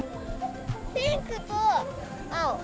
ピンクと青！